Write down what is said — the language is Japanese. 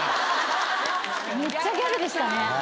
めっちゃギャルでしたね。